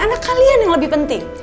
anak kalian yang lebih penting